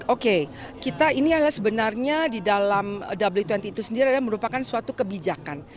oke kita ini adalah sebenarnya di dalam w dua puluh itu sendiri adalah merupakan suatu kebijakan